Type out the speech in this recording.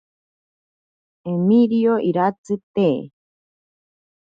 Emirio iratsi te.